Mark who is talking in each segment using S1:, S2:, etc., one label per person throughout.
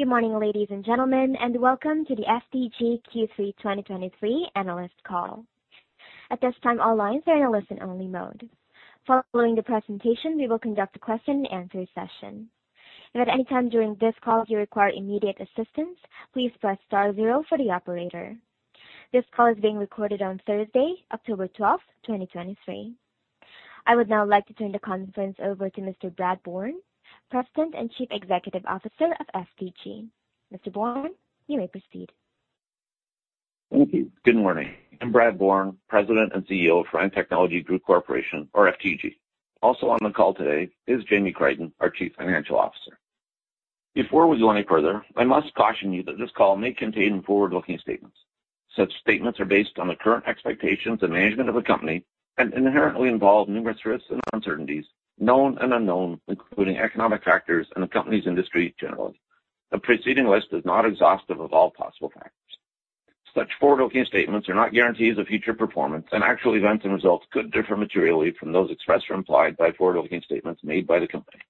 S1: Good morning, ladies and gentlemen, and welcome to the FTG Q3 2023 analyst call. At this time, all lines are in a listen-only mode. Following the presentation, we will conduct a question-and-answer session. If at any time during this call you require immediate assistance, please press star zero for the operator. This call is being recorded on Thursday, October twelfth, 2023. I would now like to turn the conference over to Mr. Brad Bourne, President and Chief Executive Officer of FTG. Mr. Bourne, you may proceed.
S2: Thank you. Good morning. I'm Brad Bourne, President and CEO of Firan Technology Group Corporation, or FTG. Also on the call today is Jamie Crichton, our Chief Financial Officer. Before we go any further, I must caution you that this call may contain forward-looking statements. Such statements are based on the current expectations and management of the company and inherently involve numerous risks and uncertainties, known and unknown, including economic factors and the company's industry generally. The preceding list is not exhaustive of all possible factors. Such forward-looking statements are not guarantees of future performance, and actual events and results could differ materially from those expressed or implied by forward-looking statements made by the company.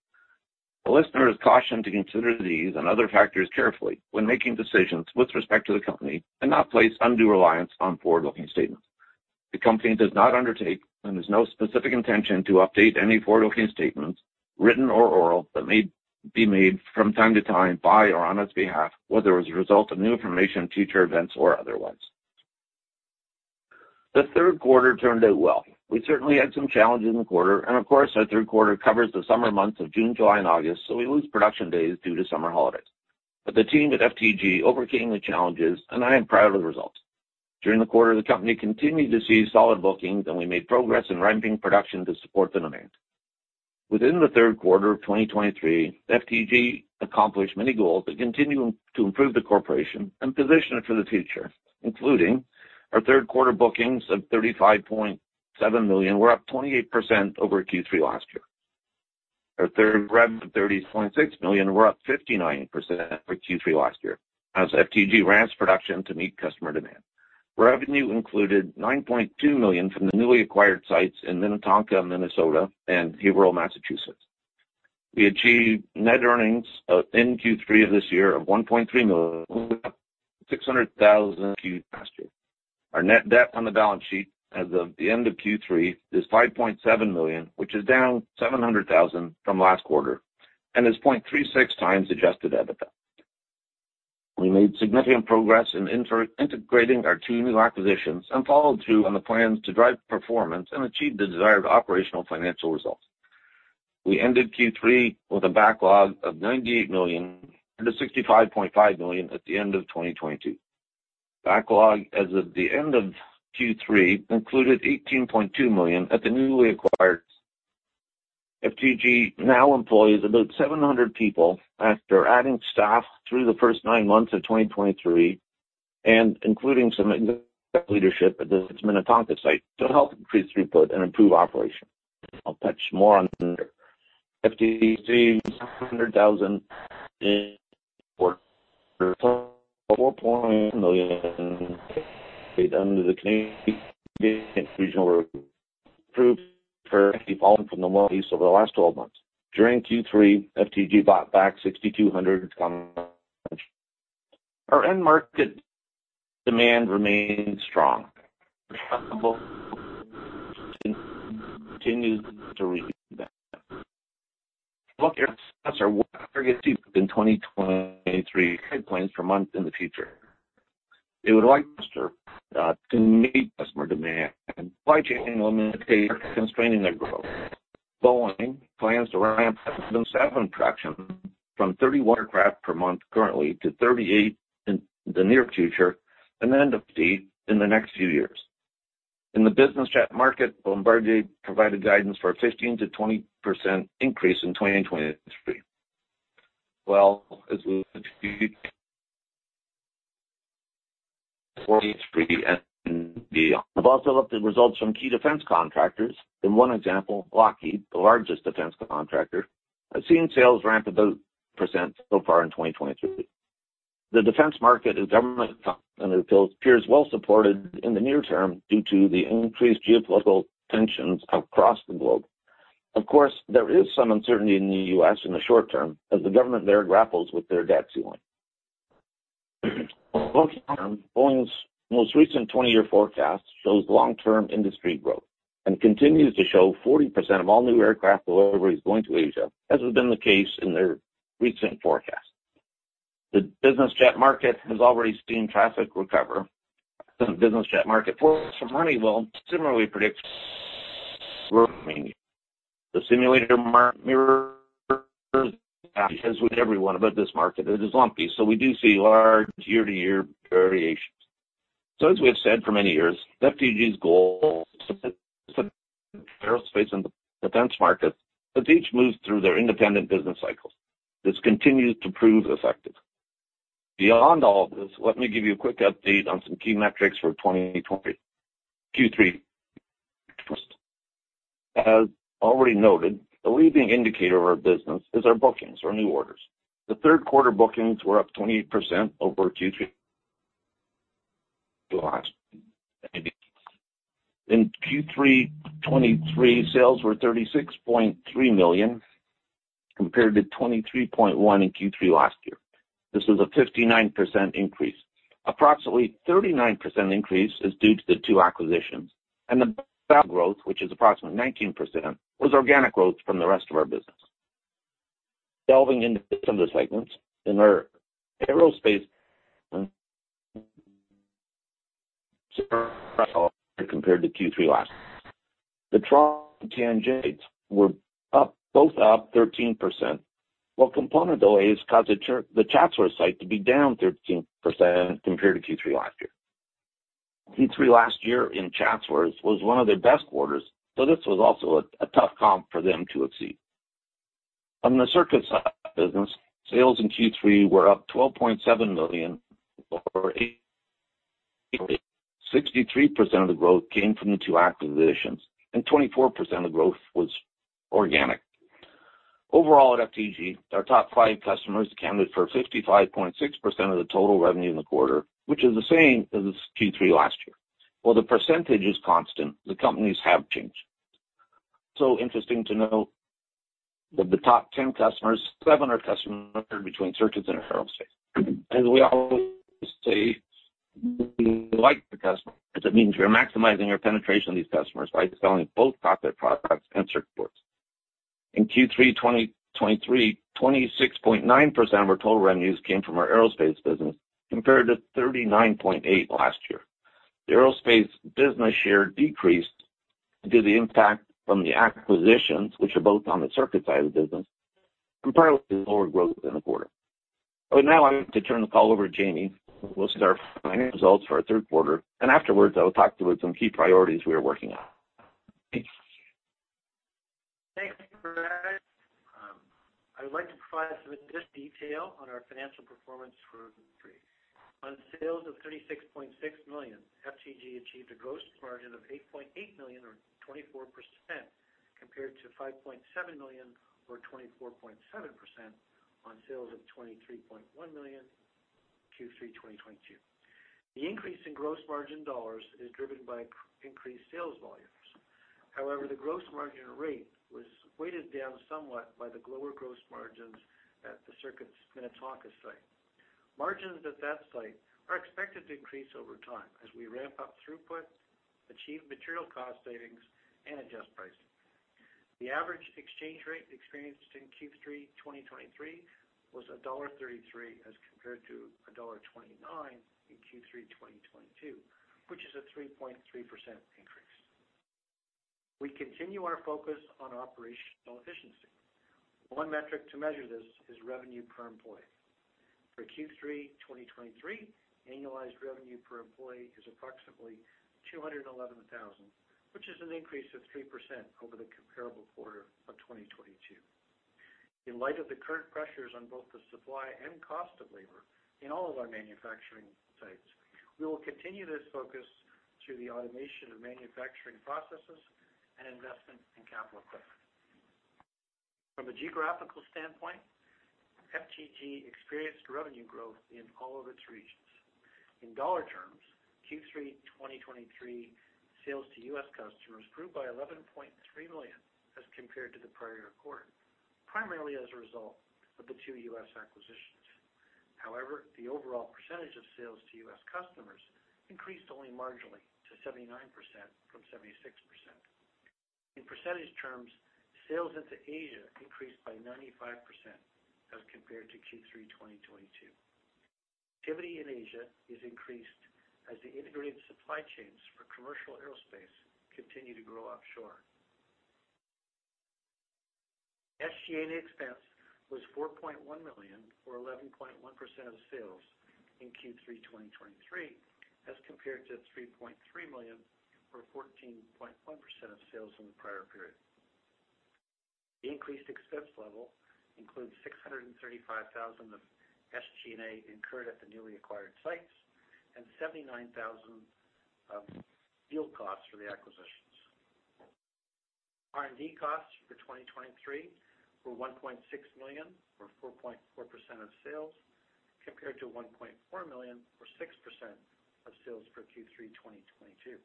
S2: The listener is cautioned to consider these and other factors carefully when making decisions with respect to the company and not place undue reliance on forward-looking statements. The company does not undertake and has no specific intention to update any forward-looking statements, written or oral, that may be made from time to time by or on its behalf, whether as a result of new information, future events, or otherwise. The third quarter turned out well. We certainly had some challenges in the quarter, and of course, our third quarter covers the summer months of June, July, and August, so we lose production days due to summer holidays. But the team at FTG overcame the challenges, and I am proud of the results. During the quarter, the company continued to see solid bookings and we made progress in ramping production to support the demand. Within the third quarter of 2023, FTG accomplished many goals to continue to improve the corporation and position it for the future, including our third quarter bookings of 35.7 million were up 28% over Q3 last year. Our third rev of 30.6 million were up 59% for Q3 last year as FTG ramps production to meet customer demand. Revenue included 9.2 million from the newly acquired sites in Minnetonka, Minnesota, and Haverhill, Massachusetts. We achieved net earnings of, in Q3 of this year of 1.3 million, 600,000 Q last year. Our net debt on the balance sheet as of the end of Q3 is 5.7 million, which is down 700,000 from last quarter and is 0.36 times Adjusted EBITDA. We made significant progress in inter-integrating our two new acquisitions and followed through on the plans to drive performance and achieve the desired operational financial results. We ended Q3 with a backlog of 98 million and 65.5 million at the end of 2022. Backlog as of the end of Q3 included 18.2 million at the newly acquired. FTG now employs about 700 people after adding staff through the first nine months of 2023, and including some leadership at the Minnetonka site to help increase throughput and improve operations. I'll touch more on FTG, 100,000 in CAD 4 million under the Canadian Regional, improved from the northeast over the last 12 months. During Q3, FTG bought back 6,200. Our end market demand remains strong, continues to read. Book our deep in 2023 plans for months in the future. They would like to meet customer demand by changing, limiting, constraining their growth. Boeing plans to ramp up production from 31 aircraft per month currently to 38 in the near future and then to 50 in the next few years. In the business jet market, Bombardier provided guidance for a 15%-20% increase in 2023. Well, as we and beyond. I've also looked at results from key defense contractors. In one example, Lockheed, the largest defense contractor, has seen sales ramp about percent so far in 2023. The defense market is government, and it appears well supported in the near term due to the increased geopolitical tensions across the globe. Of course, there is some uncertainty in the U.S. in the short term as the government there grapples with their debt ceiling. Boeing's most recent 20-year forecast shows long-term industry growth and continues to show 40% of all new aircraft deliveries going to Asia, as has been the case in their recent forecast. The business jet market has already seen traffic recover. The business jet market for Honeywell similarly predicts. The simulator market mirrors with everyone, but this market is lumpy, so we do see large year-to-year variations. So as we have said for many years, FTG's goal aerospace and defense markets as each moves through their independent business cycles. This continues to prove effective. Beyond all this, let me give you a quick update on some key metrics for 2020-Q3. As already noted, a leading indicator of our business is our bookings or new orders. The third quarter bookings were up 28% over Q3.... In Q3 2023, sales were 36.3 million, compared to 23.1 in Q3 last year. This is a 59% increase. Approximately 39% increase is due to the two acquisitions, and the growth, which is approximately 19%, was organic growth from the rest of our business. Delving into some of the segments, in our aerospace, compared to Q3 last year. The Toronto and Tianjin were up, both up 13%, while component delays caused the Chatsworth site to be down 13% compared to Q3 last year. Q3 last year in Chatsworth was one of their best quarters, so this was also a tough comp for them to exceed. On the circuit side business, sales in Q3 were up 12.7 million, or 63% of the growth came from the two acquisitions, and 24% of growth was organic. Overall, at FTG, our top five customers accounted for 55.6% of the total revenue in the quarter, which is the same as Q3 last year. While the percentage is constant, the companies have changed. Interesting to note that the top ten customers, seven are customers between circuits and aerospace. As we always say, we like the customer, as it means we are maximizing our penetration of these customers by selling both cockpit products and circuit boards. In Q3 2023, 26.9% of our total revenues came from our aerospace business, compared to 39.8% last year. The aerospace business share decreased due to the impact from the acquisitions, which are both on the circuit side of the business, compared with the lower growth in the quarter. Now I'd like to turn the call over to Jamie, who will start financial results for our third quarter, and afterwards, I will talk through some key priorities we are working on. Thanks.
S3: Thanks, Brad. I would like to provide some additional detail on our financial performance for Q3. On sales of 36.6 million, FTG achieved a gross margin of 8.8 million, or 24%, compared to 5.7 million or 24.7% on sales of 23.1 million, Q3 2022. The increase in gross margin dollars is driven by increased sales volumes. However, the gross margin rate was weighted down somewhat by the lower gross margins at the Circuits Minnetonka site. Margins at that site are expected to increase over time as we ramp up throughput, achieve material cost savings, and adjust pricing. The average exchange rate experienced in Q3 2023 was dollar 1.33, as compared to dollar 1.29 in Q3 2022, which is a 3.3% increase. We continue our focus on operational efficiency. One metric to measure this is revenue per employee. For Q3 2023, annualized revenue per employee is approximately 211,000, which is an increase of 3% over the comparable quarter of 2022. In light of the current pressures on both the supply and cost of labor in all of our manufacturing sites, we will continue this focus through the automation of manufacturing processes and investment in capital equipment. From a geographical standpoint, FTG experienced revenue growth in all of its regions. In dollar terms, Q3 2023, sales to US customers grew by $11.3 million as compared to the prior quarter, primarily as a result of the two US acquisitions. However, the overall percentage of sales to US customers increased only marginally to 79% from 76%. In percentage terms, sales into Asia increased by 95% as compared to Q3 2022. Activity in Asia is increased as the integrated supply chains for commercial aerospace continue to grow offshore. SG&A expense was 4.1 million, or 11.1% of sales in Q3 2023, as compared to 3.3 million, or 14.1% of sales in the prior period. The increased expense level includes 635,000 of SG&A incurred at the newly acquired sites and 79,000 of deal costs for the acquisitions. R&D costs for 2023 were 1.6 million, or 4.4% of sales, compared to 1.4 million, or 6% of sales for Q3 2022.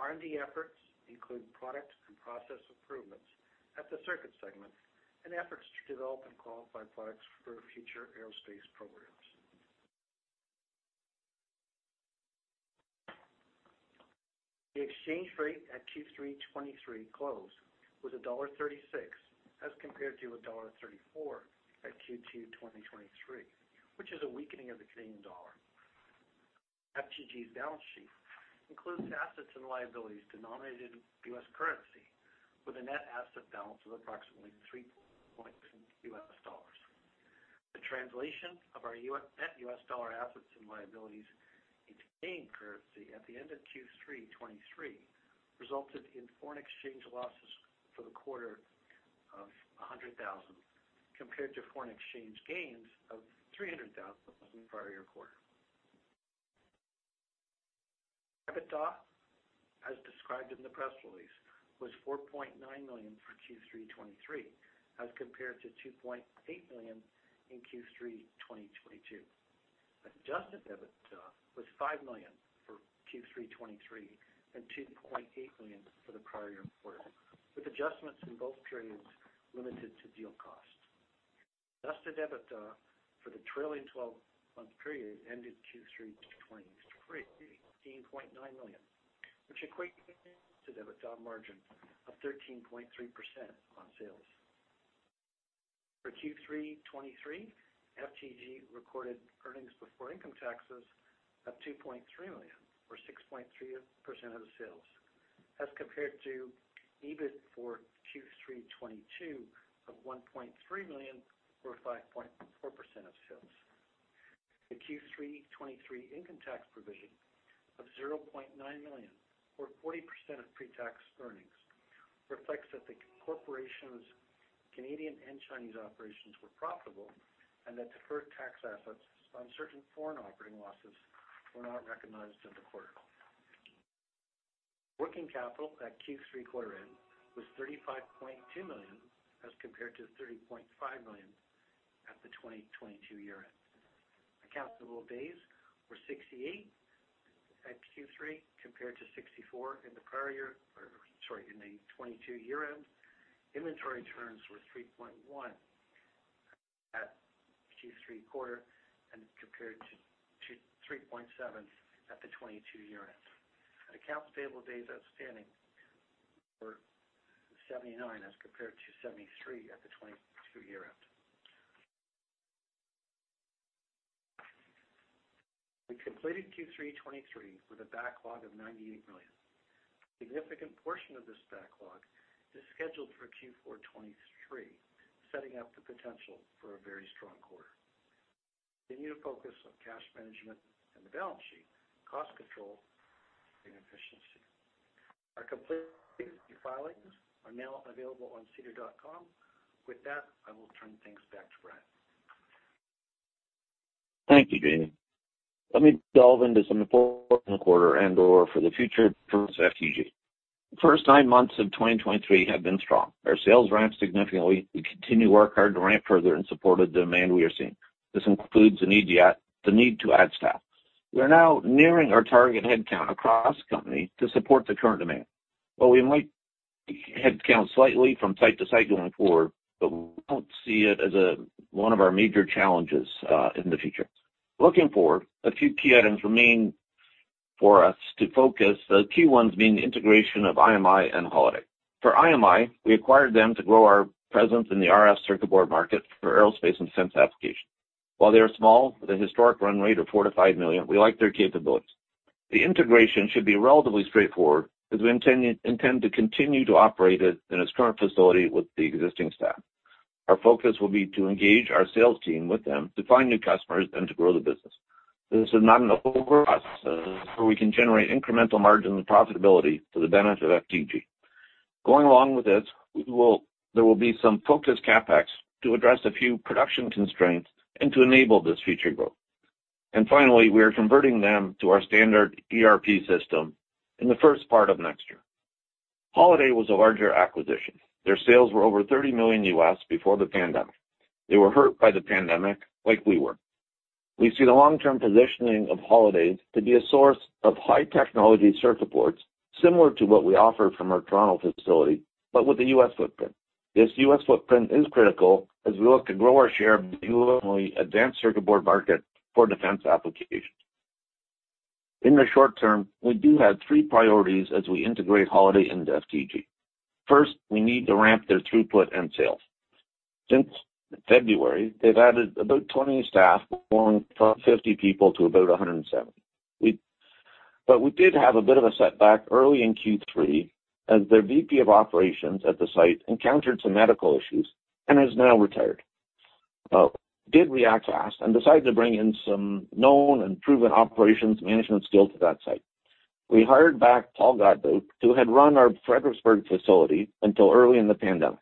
S3: R&D efforts include product and process improvements at the circuit segment and efforts to develop and qualify products for future aerospace programs. The exchange rate at Q3 2023 close was 1.36, as compared to 1.34 at Q2 2023, which is a weakening of the Canadian dollar. FTG's balance sheet includes assets and liabilities denominated in US currency, with a net asset balance of approximately $3.0 million US dollars. The translation of our net US dollar assets and liabilities into Canadian currency at the end of Q3 2023, resulted in foreign exchange losses for the quarter of 100,000, compared to foreign exchange gains of 300,000 in the prior quarter. EBITDA, as described in the press release, was 4.9 million for Q3 2023, as compared to 2.8 million in Q3 2022. Adjusted EBITDA was 5 million for Q3 2023 and 2.8 million for the prior quarter, with adjustments in both periods limited to deal costs. Adjusted EBITDA for the trailing twelve-month period ended Q3 2023, CAD 18.9 million, which equates to EBITDA margin of 13.3% on sales. For Q3 2023, FTG recorded earnings before income taxes of 2.3 million, or 6.3% of the sales, as compared to EBIT for Q3 2022 of 1.3 million, or 5.4% of sales. The Q3 2023 income tax provision of 0.9 million, or 40% of pre-tax earnings, reflects that the corporation's Canadian and Chinese operations were profitable and that deferred tax assets on certain foreign operating losses were not recognized in the quarter. Working capital at Q3 quarter end was 35.2 million, as compared to 30.5 million at the 2022 year end. receivable days were 68 at Q3, compared to 64 in the prior year, or sorry, in the 2022 year end. Inventory turns were 3.1 at Q3 quarter and compared to 3.7 at the 2022 year end. Accounts payable days outstanding were 79, as compared to 73 at the 2022 year end. We completed Q3 2023 with a backlog of 98 million. Significant portion of this backlog is scheduled for Q4 2023, setting up the potential for a very strong quarter. Continue to focus on cash management and the balance sheet, cost control and efficiency. Our complete filings are now available on SEDAR.com. With that, I will turn things back to Brad.
S2: Thank you, Jamie. Let me delve into some important quarter and or for the future for FTG. The first nine months of 2023 have been strong. Our sales ramped significantly. We continue to work hard to ramp further and support the demand we are seeing. This includes the need to add, the need to add staff. We are now nearing our target headcount across the company to support the current demand. While we might headcount slightly from site to site going forward, but we don't see it as a, one of our major challenges, in the future. Looking forward, a few key items remain for us to focus, the key ones being the integration of IMI and Holaday. For IMI, we acquired them to grow our presence in the RF circuit board market for aerospace and defense applications. While they are small, with a historic run rate of $4 million-$5 million, we like their capabilities. The integration should be relatively straightforward, as we intend to continue to operate it in its current facility with the existing staff. Our focus will be to engage our sales team with them, to find new customers and to grow the business. This is not an overhaul, so we can generate incremental margin and profitability to the benefit of FTG. Going along with this, there will be some focused CapEx to address a few production constraints and to enable this future growth. And finally, we are converting them to our standard ERP system in the first part of next year. Holiday was a larger acquisition. Their sales were over $30 million before the pandemic. They were hurt by the pandemic, like we were. We see the long-term positioning of Holiday as a source of high technology circuit boards, similar to what we offer from our Toronto facility, but with a U.S. footprint. This U.S. footprint is critical as we look to grow our share of the advanced circuit board market for defense applications. In the short term, we do have three priorities as we integrate Holiday into FTG. First, we need to ramp their throughput and sales. Since February, they've added about 20 staff, growing from 50 people to about 170. We did have a bit of a setback early in Q3, as their VP of operations at the site encountered some medical issues and has now retired. We did react fast and decided to bring in some known and proven operations management skill to that site. We hired back Paul Godbout, who had run our Fredericksburg facility until early in the pandemic.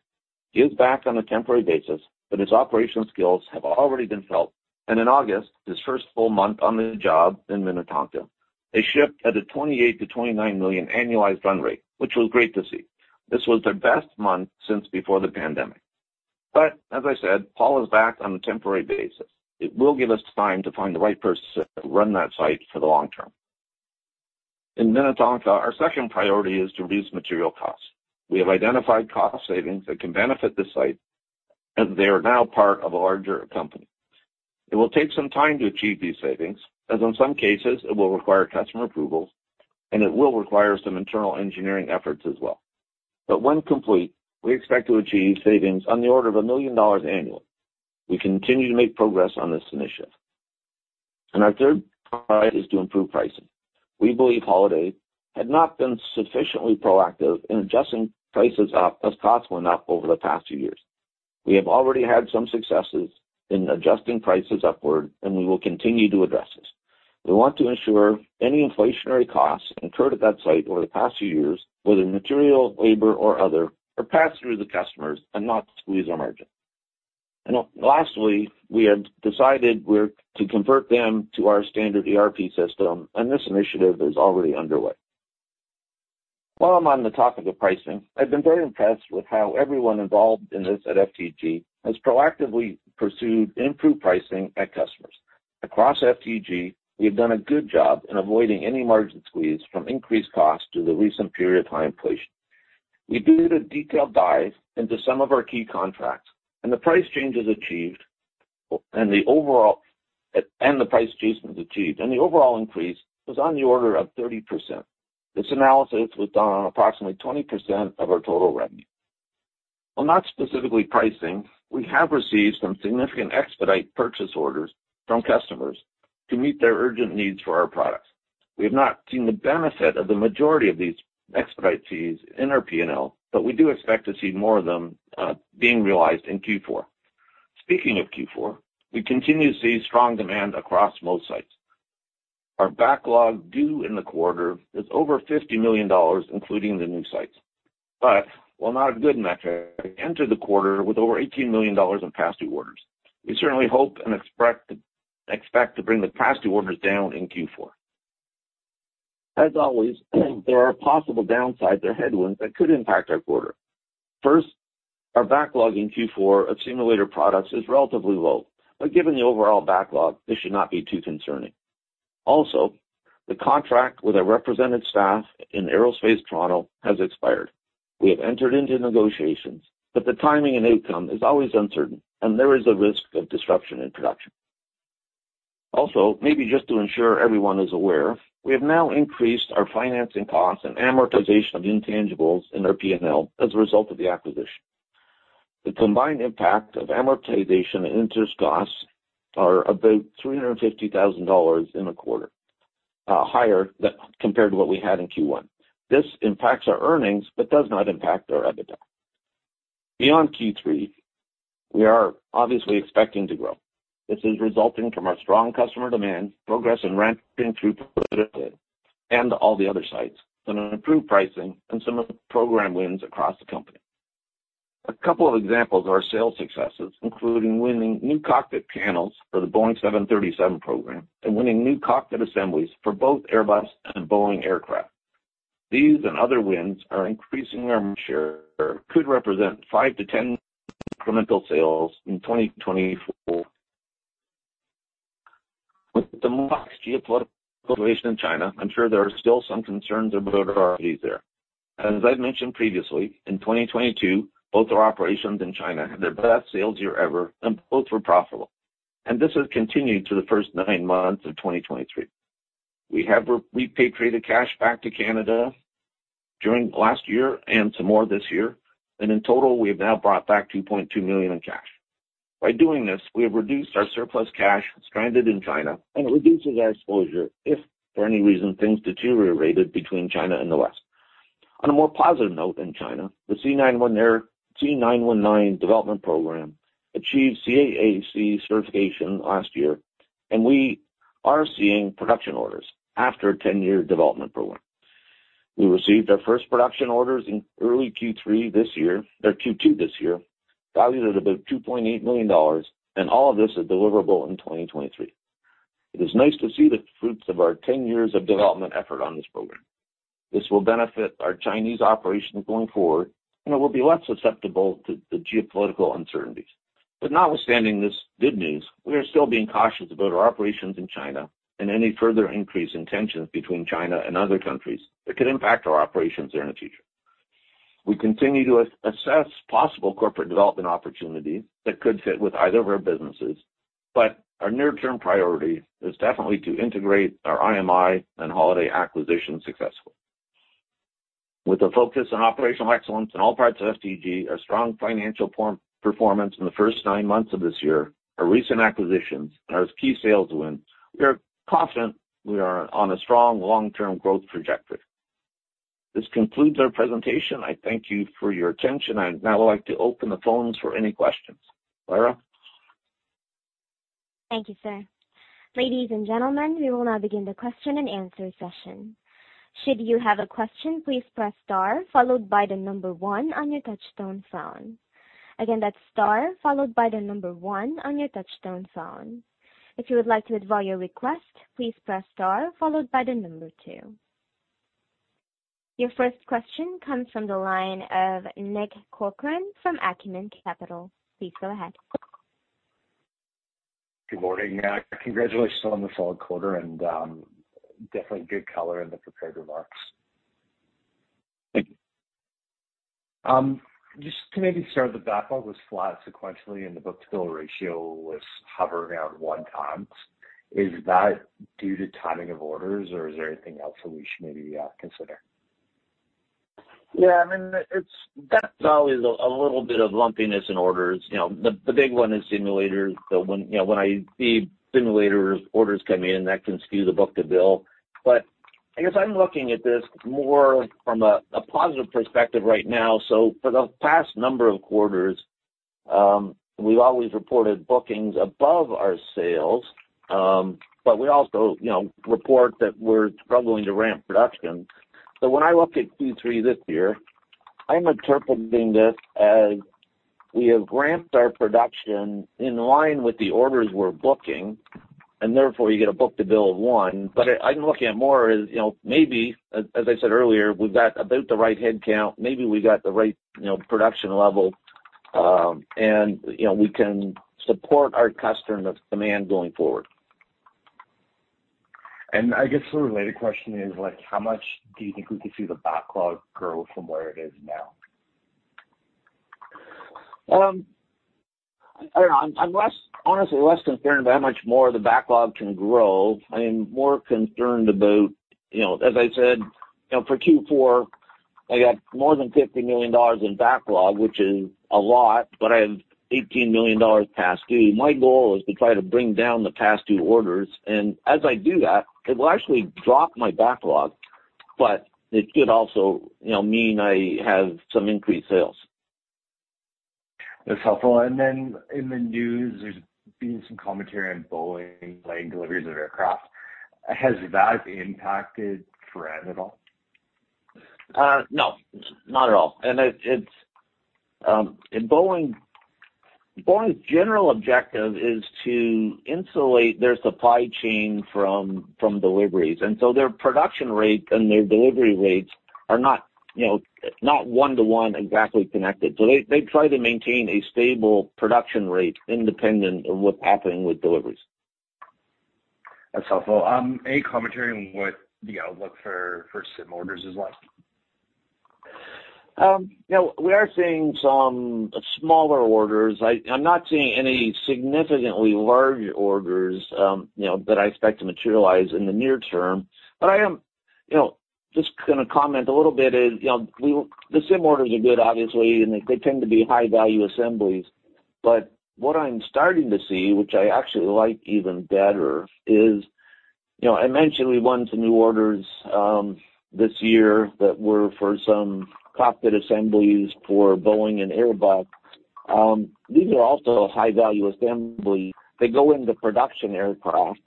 S2: He is back on a temporary basis, but his operational skills have already been felt, and in August, his first full month on the job in Minnetonka, they shipped at a 28 million-29 million annualized run rate, which was great to see. This was their best month since before the pandemic. But as I said, Paul is back on a temporary basis. It will give us time to find the right person to run that site for the long term. In Minnetonka, our second priority is to reduce material costs. We have identified cost savings that can benefit the site, as they are now part of a larger company. It will take some time to achieve these savings, as in some cases it will require customer approvals and it will require some internal engineering efforts as well. But when complete, we expect to achieve savings on the order of $1 million annually. We continue to make progress on this initiative. Our third priority is to improve pricing. We believe Holiday had not been sufficiently proactive in adjusting prices up as costs went up over the past few years. We have already had some successes in adjusting prices upward, and we will continue to address this. We want to ensure any inflationary costs incurred at that site over the past few years, whether material, labor, or other, are passed through the customers and not squeeze our margins. Lastly, we had decided we're to convert them to our standard ERP system, and this initiative is already underway. While I'm on the topic of pricing, I've been very impressed with how everyone involved in this at FTG has proactively pursued improved pricing at customers. Across FTG, we have done a good job in avoiding any margin squeeze from increased costs due to the recent period of high inflation. We did a detailed dive into some of our key contracts, and the price changes achieved, and the overall increase was on the order of 30%. This analysis was done on approximately 20% of our total revenue. While not specifically pricing, we have received some significant expedite purchase orders from customers to meet their urgent needs for our products. We have not seen the benefit of the majority of these expedite fees in our P&L, but we do expect to see more of them being realized in Q4. Speaking of Q4, we continue to see strong demand across most sites. Our backlog due in the quarter is over 50 million dollars, including the new sites. But while not a good metric, we entered the quarter with over 18 million dollars in past due orders. We certainly hope and expect to bring the past due orders down in Q4. As always, there are possible downsides or headwinds that could impact our quarter. First, our backlog in Q4 of simulator products is relatively low, but given the overall backlog, this should not be too concerning. Also, the contract with our represented staff in Aerospace, Toronto, has expired. We have entered into negotiations, but the timing and outcome is always uncertain, and there is a risk of disruption in production. Also, maybe just to ensure everyone is aware, we have now increased our financing costs and amortization of intangibles in our P&L as a result of the acquisition. The combined impact of amortization and interest costs are about 350,000 dollars in the quarter, higher than compared to what we had in Q1. This impacts our earnings, but does not impact our EBITDA. Beyond Q3, we are obviously expecting to grow. This is resulting from our strong customer demand, progress in ramping through and all the other sites, and an improved pricing and some of the program wins across the company. A couple of examples are sales successes, including winning new cockpit panels for the Boeing 737 program and winning new cockpit assemblies for both Airbus and Boeing aircraft. These and other wins are increasing our share, could represent 5-10 incremental sales in 2024. With the geopolitical situation in China, I'm sure there are still some concerns about our properties there. As I've mentioned previously, in 2022, both our operations in China had their best sales year ever, and both were profitable. This has continued to the first nine months of 2023. We have repatriated cash back to Canada during last year and some more this year, and in total, we have now brought back 2.2 million in cash. By doing this, we have reduced our surplus cash stranded in China, and it reduces our exposure if for any reason, things deteriorated between China and the West. On a more positive note in China, the C919 development program achieved CAAC certification last year, and we are seeing production orders after a 10-year development program. We received our first production orders in early Q3 this year, or Q2 this year, valued at about $2.8 million, and all of this is deliverable in 2023. It is nice to see the fruits of our 10 years of development effort on this program. This will benefit our Chinese operations going forward, and it will be less susceptible to the geopolitical uncertainties. But notwithstanding this good news, we are still being cautious about our operations in China and any further increase in tensions between China and other countries that could impact our operations there in the future. We continue to assess possible corporate development opportunities that could fit with either of our businesses, but our near-term priority is definitely to integrate our IMI and Holiday acquisition successfully. With a focus on operational excellence in all parts of FTG, a strong financial performance in the first nine months of this year, our recent acquisitions, and our key sales wins, we are confident we are on a strong long-term growth trajectory. This concludes our presentation. I thank you for your attention. I'd now like to open the phones for any questions. Laura?
S1: Thank you, sir. Ladies and gentlemen, we will now begin the question and answer session. Should you have a question, please press star followed by the number 1 on your touchtone phone. Again, that's star followed by the number 1 on your touchtone phone. If you would like to withdraw your request, please press star followed by the number 2. Your first question comes from the line of Nick Corcoran from Acumen Capital. Please go ahead.
S4: Good morning. Congratulations on the solid quarter and, definitely good color in the prepared remarks.
S2: Thank you.
S4: Just to maybe start, the Backlog was flat sequentially, and the Book-to-Bill Ratio was hovering around 1x. Is that due to timing of orders, or is there anything else that we should maybe consider?
S2: Yeah, I mean, that's always a little bit of lumpiness in orders. You know, the big one is simulators. When I see simulators orders come in, that can skew the book-to-bill. I guess I'm looking at this more from a positive perspective right now. For the past number of quarters, we've always reported bookings above our sales, but we also, you know, report that we're struggling to ramp production. When I look at Q3 this year, I'm interpreting this as we have ramped our production in line with the orders we're booking, and therefore you get a book-to-bill of 1. I'm looking at it more as, you know, maybe, as I said earlier, we've got about the right headcount. Maybe we got the right, you know, production level, and, you know, we can support our customer demand going forward.
S4: I guess the related question is like, how much do you think we could see the backlog grow from where it is now?
S2: I don't know. I'm less, honestly, less concerned about how much more the backlog can grow. I am more concerned about, you know, as I said, you know, for Q4, I got more than 50 million dollars in backlog, which is a lot, but I have 18 million dollars past due. My goal is to try to bring down the past due orders, and as I do that, it will actually drop my backlog, but it could also, you know, mean I have some increased sales.
S4: That's helpful. And then in the news, there's been some commentary on Boeing delaying deliveries of aircraft. Has that impacted Firan at all?
S2: No, not at all. And it's Boeing's general objective is to insulate their supply chain from deliveries, and so their production rate and their delivery rates are not, you know, not one-to-one exactly connected. So they try to maintain a stable production rate independent of what's happening with deliveries.
S4: That's helpful. Any commentary on what the outlook for SIM orders is like?
S2: You know, we are seeing some smaller orders. I'm not seeing any significantly large orders, you know, that I expect to materialize in the near term. But I am, you know, just gonna comment a little bit, you know, the SIM orders are good, obviously, and they tend to be high-value assemblies. But what I'm starting to see, which I actually like even better, is, you know, I mentioned we won some new orders, this year that were for some cockpit assemblies for Boeing and Airbus. These are also high-value assemblies. They go into production aircraft,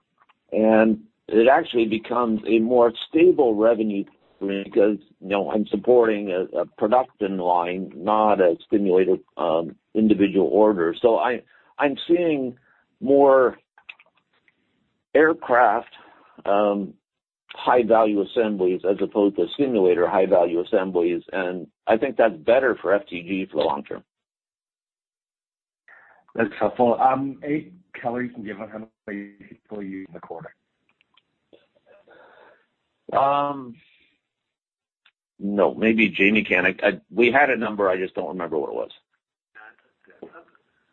S2: and it actually becomes a more stable revenue stream because, you know, I'm supporting a production line, not a simulated individual order. So I'm seeing more aircraft, high-value assemblies as opposed to simulator high-value assemblies, and I think that's better for FTG for the long term.
S4: That's helpful. Hey, can you give how many people you use in the quarter?
S2: No, maybe Jamie can. We had a number. I just don't remember what it was.
S3: Yeah, that's good.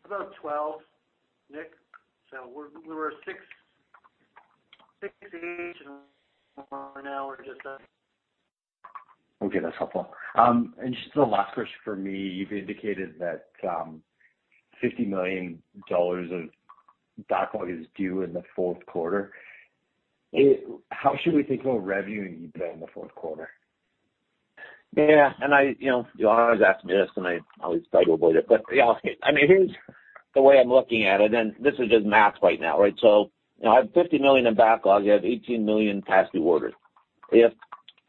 S3: About 12, Nick. So we're, we were six, six each, and now we're just,
S4: Okay, that's helpful. And just the last question for me, you've indicated that, 50 million dollars of backlog is due in the fourth quarter. How should we think about revenue in the fourth quarter?
S2: Yeah, and I, you know, you always ask me this, and I always try to avoid it. Yeah, okay. I mean, here's the way I'm looking at it, and this is just math right now, right? You know, I have 50 million in backlog, I have 18 million past due orders. If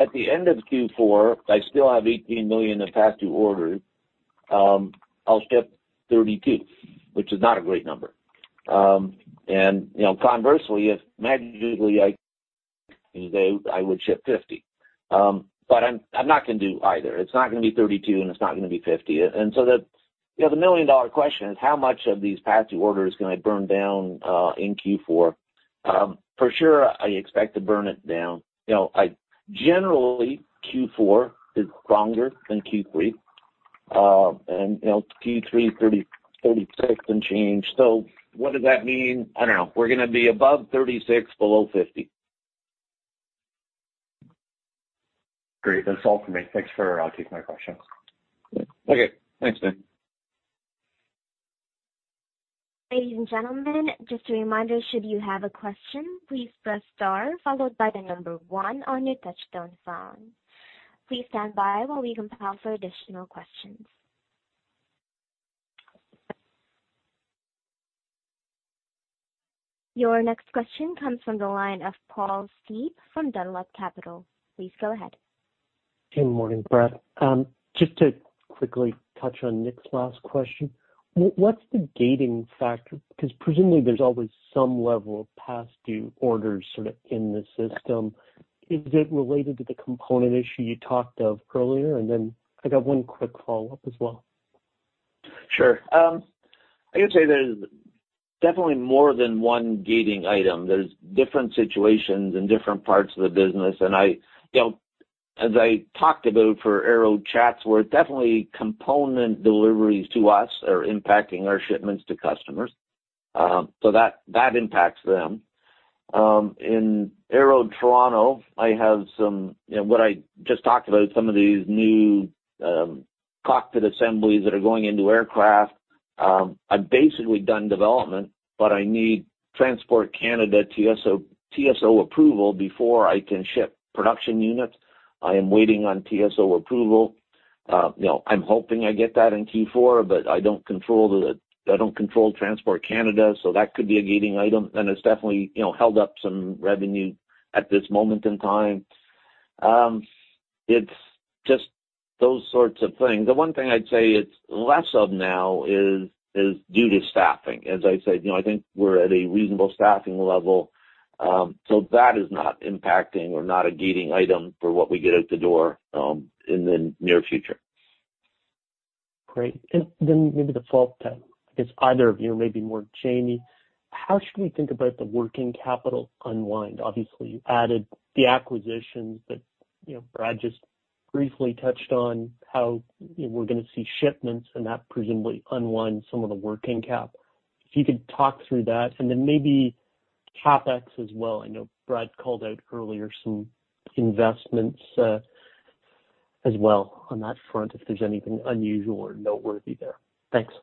S2: at the end of Q4, I still have 18 million in past due orders, I’ll ship 32 million, which is not a great number. You know, conversely, if magically I, I would ship 50 million. I'm not gonna do either. It's not gonna be 32 million, and it's not gonna be 50 million dollar. The other million-dollar question is, how much of these past due orders can I burn down in Q4? For sure, I expect to burn it down. You know, I—generally, Q4 is stronger than Q3. you know, Q3, 36 and change. So what does that mean? I don't know. We're gonna be above 36, below 50.
S4: Great. That's all for me. Thanks for taking my questions.
S2: Okay. Thanks, Nick.
S1: Ladies and gentlemen, just a reminder, should you have a question, please press star followed by the number one on your touchtone phone. Please stand by while we poll for additional questions. Your next question comes from the line of Paul Steep from Canaccord Genuity. Please go ahead.
S5: Good morning, Brad. Just to quickly touch on Nick's last question, what's the gating factor? Because presumably there's always some level of past due orders sort of in the system. Is it related to the component issue you talked of earlier? And then I got one quick follow-up as well.
S2: Sure. I would say there's definitely more than one gating item. There's different situations in different parts of the business, and I, you know, as I talked about for Aero Chatsworth, definitely component deliveries to us are impacting our shipments to customers, so that, that impacts them. In Aero Toronto, I have some, you know, what I just talked about, some of these new, cockpit assemblies that are going into aircraft. I've basically done development, but I need Transport Canada TSO, TSO approval before I can ship production units. I am waiting on TSO approval. You know, I'm hoping I get that in Q4, but I don't control the, I don't control Transport Canada, so that could be a gating item, and it's definitely, you know, held up some revenue at this moment in time. It's just those sorts of things. The one thing I'd say it's less of now is due to staffing. As I said, you know, I think we're at a reasonable staffing level, so that is not impacting or not a gating item for what we get out the door, in the near future.
S5: Great. And then maybe the follow-up to that, I guess either of you, maybe more Jamie, how should we think about the working capital unwind? Obviously, you added the acquisitions that, you know, Brad just briefly touched on how, you know, we're gonna see shipments and that presumably unwind some of the working cap. If you could talk through that and then maybe CapEx as well. I know Brad called out earlier some investments, as well on that front, if there's anything unusual or noteworthy there. Thanks.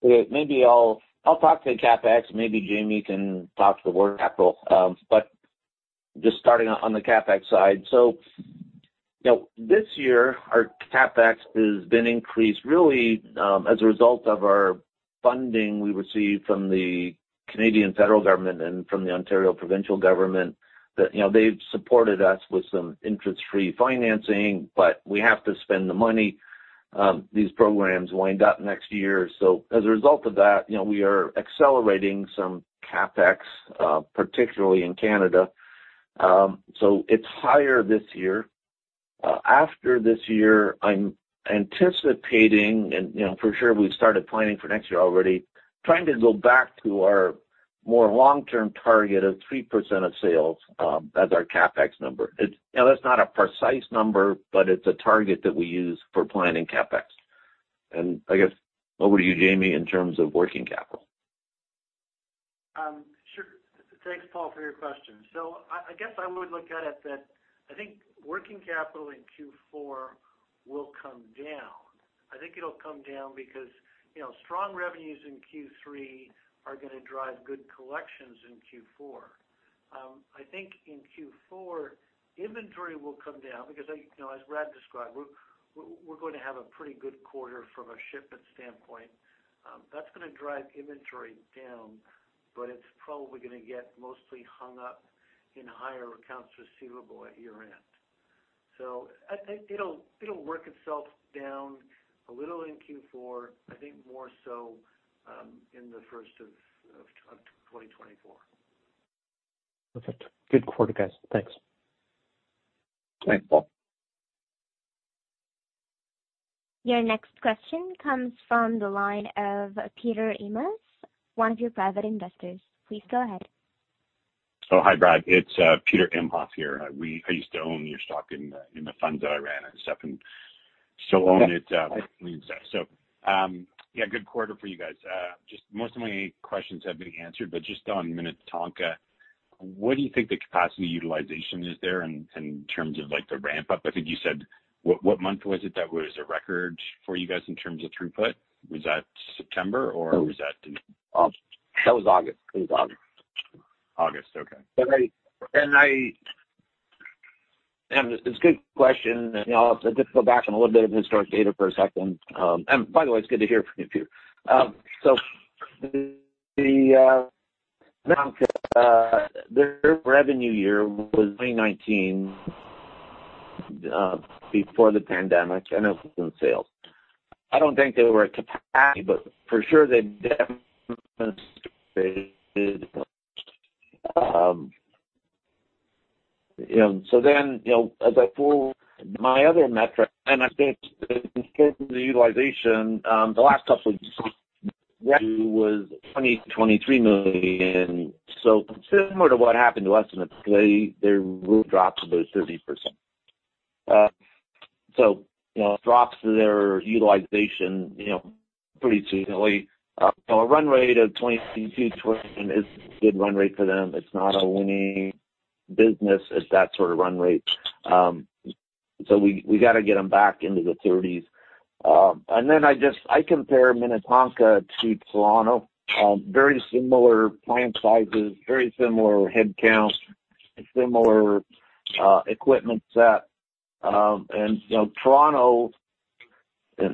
S2: Great. Maybe I'll talk to the CapEx, maybe Jamie can talk to the working capital. But just starting on the CapEx side. So, you know, this year our CapEx has been increased really, as a result of our funding we received from the Canadian federal government and from the Ontario provincial government, that you know, they've supported us with some interest-free financing, but we have to spend the money. These programs wind up next year. So as a result of that, you know, we are accelerating some CapEx, particularly in Canada. So it's higher this year. After this year, I'm anticipating, and, you know, for sure we've started planning for next year already, trying to go back to our more long-term target of 3% of sales, as our CapEx number. Now, that's not a precise number, but it's a target that we use for planning CapEx. I guess over to you, Jamie, in terms of working capital.
S3: Sure. Thanks, Paul, for your question. So I guess I would look at it that I think working capital in Q4 will come down. I think it'll come down because, you know, strong revenues in Q3 are gonna drive good collections in Q4. I think in Q4, inventory will come down because, you know, as Brad described, we're going to have a pretty good quarter from a shipment standpoint. That's gonna drive inventory down, but it's probably gonna get mostly hung up in higher accounts receivable at year-end. So I think it'll work itself down a little in Q4, I think more so in the first of 2024.
S5: Perfect. Good quarter, guys. Thanks.
S2: Thanks, Paul.
S1: Your next question comes from the line of Peter Emhoff, one of your private investors. Please go ahead.
S6: Oh, hi, Brad. It's Peter Emhoff here. I used to own your stock in the funds that I ran at Sentry. Still own it, so yeah, good quarter for you guys. Just most of my questions have been answered, but just on Minnetonka, what do you think the capacity utilization is there in terms of, like, the ramp-up? I think you said, what month was it that was a record for you guys in terms of throughput? Was that September, or was that-
S2: That was August. It was August.
S6: August, okay.
S2: It's a good question, and, you know, I'll just go back on a little bit of historic data for a second. And by the way, it's good to hear from you, Peter. So, their revenue year was 2019, before the pandemic. I know it was in sales. I don't think they were at capacity, but for sure, they definitely. You know, so then, you know, as I pull my other metric, and I think in terms of the utilization, the last couple of years was $20 million-$23 million. So similar to what happened to us, they, they dropped to those 30%. So, you know, it drops their utilization, you know, pretty significantly. So a run rate of $20 million-$22 million is a good run rate for them. It's not a winning business at that sort of run rate. So we got to get them back into the $30s. And then I just compare Minnetonka to Toronto. Very similar plant sizes, very similar headcount, similar equipment set. And, you know, Toronto,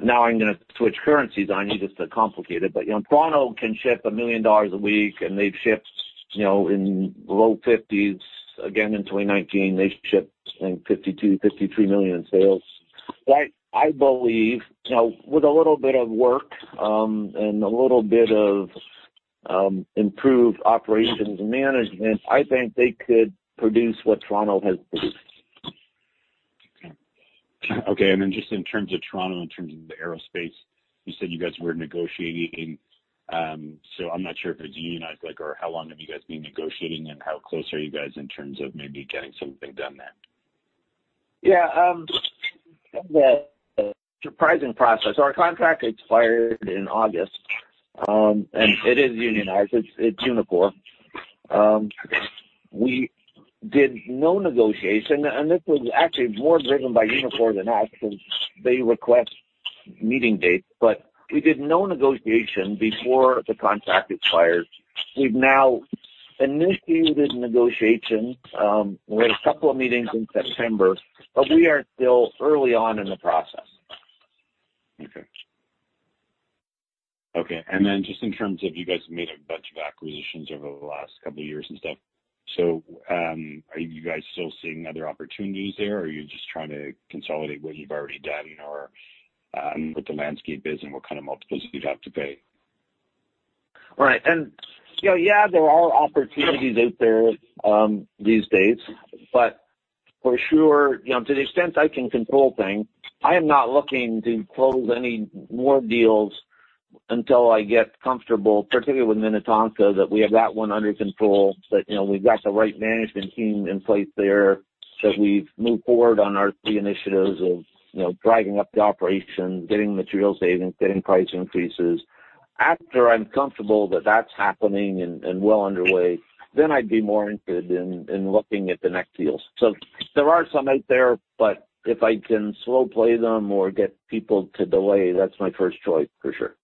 S2: now I'm gonna switch currencies. I need this to complicate it. But, you know, Toronto can ship 1 million dollars a week, and they've shipped, you know, in the low 50s. Again, in 2019, they shipped, I think, 52-53 million in sales. I believe, you know, with a little bit of work, and a little bit of improved operations and management, I think they could produce what Toronto has produced.
S6: Okay. And then just in terms of Toronto, in terms of the aerospace, you said you guys were negotiating. So I'm not sure if it's unionized, like, or how long have you guys been negotiating and how close are you guys in terms of maybe getting something done there?
S2: Yeah, the surprising process, our contract expired in August, and it is unionized, it's Unifor. We did no negotiation, and this was actually more driven by Unifor than us, because they requested meeting dates, but we did no negotiation before the contract expired. We've now initiated negotiations. We had a couple of meetings in September, but we are still early on in the process.
S6: Okay. Okay, and then just in terms of you guys have made a bunch of acquisitions over the last couple of years and stuff. So, are you guys still seeing other opportunities there, or are you just trying to consolidate what you've already done or, what the landscape is and what kind of multiples you'd have to pay?
S2: Right. And, you know, yeah, there are opportunities out there, these days, but for sure, you know, to the extent I can control things, I am not looking to close any more deals until I get comfortable, particularly with Minnetonka, that we have that one under control. That, you know, we've got the right management team in place there. That we've moved forward on our key initiatives of, you know, driving up the operation, getting material savings, getting price increases. After I'm comfortable that that's happening and, and well underway, then I'd be more interested in, in looking at the next deals. So there are some out there, but if I can slow play them or get people to delay, that's my first choice for sure.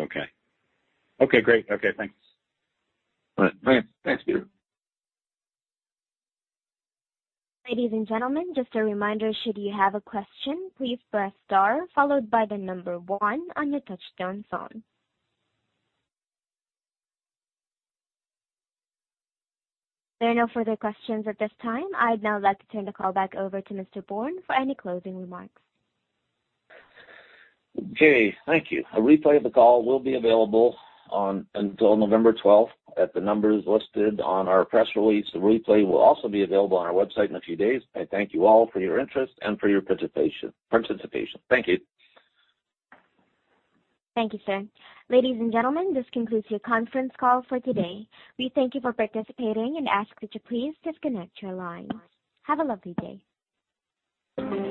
S6: Okay. Okay, great. Okay, thanks.
S2: All right. Thanks. Thanks, Peter.
S1: Ladies and gentlemen, just a reminder, should you have a question, please press star followed by the number one on your touchtone phone. There are no further questions at this time. I'd now like to turn the call back over to Mr. Bourne for any closing remarks.
S2: Okay. Thank you. A replay of the call will be available until November twelfth, at the numbers listed on our press release. The replay will also be available on our website in a few days. I thank you all for your interest and for your participation. Thank you.
S1: Thank you, sir. Ladies and gentlemen, this concludes your conference call for today. We thank you for participating and ask that you please disconnect your lines. Have a lovely day.